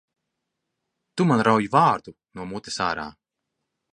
Tu man rauj vārdu no mutes ārā!